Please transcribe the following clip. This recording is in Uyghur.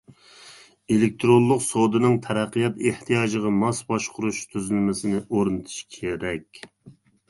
ئېلېكتىرونلۇق سودىنىڭ تەرەققىيات ئېھتىياجىغا ماس باشقۇرۇش تۈزۈلمىسىنى ئورنىتىش كېرەك.